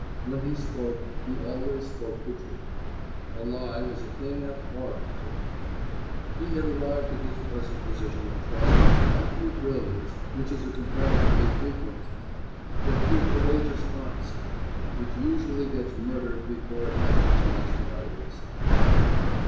When he spoke, he always spoke the truth. A lie was a thing abhorrent to him. He had arrived at his present position of trust not through brilliance, which is a comparatively frequent talent; but through courageous honesty, which usually gets murdered before it has the chance to utter itself.